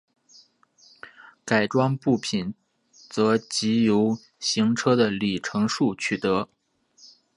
改装部品则藉由行车的里程数取得。